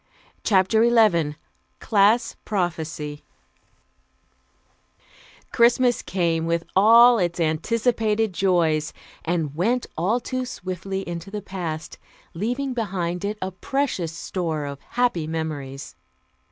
CHAPTER XI CLASS PROPHECY Christmas came, with all its anticipated joys, and went all too swiftly into the past, leaving behind it a precious store of happy memories.